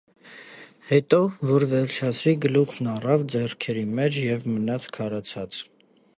Հետո, որ վերջացրի, գլուխն առավ ձեռքերի մեջ և մնաց քարացած: